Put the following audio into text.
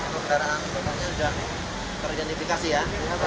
kendaraan potongnya sudah teridentifikasi ya